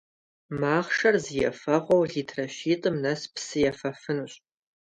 Махъшэр зэ ефэгъуэу литрэ щитIым нэс псы ефэфынущ.